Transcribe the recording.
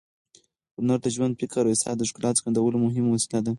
هنر د ژوند، فکر او احساس د ښکلا څرګندولو مهم وسیله ده.